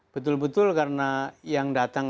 betul betul karena yang datang